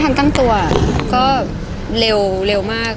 ภาษาสนิทยาลัยสุดท้าย